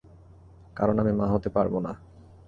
কারণ আমি মা হতে পারব না।